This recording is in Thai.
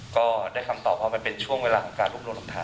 ก็ได้คำตอบว่ามันเป็นช่วงเวลาของการรวบรวมหลักฐาน